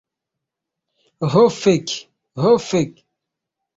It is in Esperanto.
Ho fek' ho fek'...